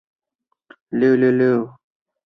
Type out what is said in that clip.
小花荛花为瑞香科荛花属下的一个种。